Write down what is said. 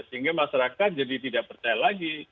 sehingga masyarakat jadi tidak percaya lagi